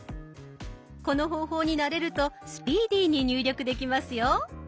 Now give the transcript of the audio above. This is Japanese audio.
この方法に慣れるとスピーディーに入力できますよ。